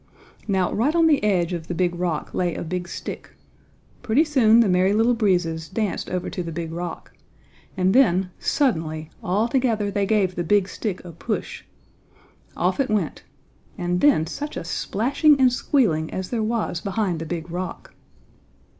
Now, right on the edge of the Big Rock lay a big stick. Pretty soon the Merry Little Breezes danced over to the Big Rock, and then, suddenly, all together they gave the big stick a push. Off it went, and then such a splashing and squealing as there was behind the Big Rock!